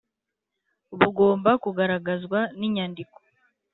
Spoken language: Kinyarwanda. Bugomba kugaragazwa n inyandiko